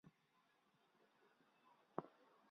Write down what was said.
万历三十八年登庚戌科进士。